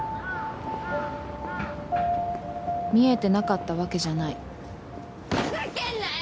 見えてなかったわけじゃな・ふざけんなよ！